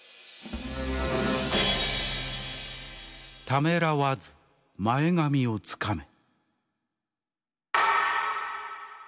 「ためらわず前髪をつかめ！」。